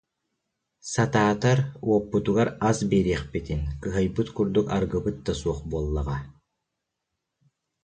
Сатаатар, уоппутугар ас биэриэхпитин, кыһайбыт курдук арыгыбыт да суох буоллаҕа»